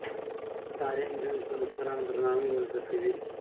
تعلیم نجونو ته د مشرانو درناوی ور زده کوي.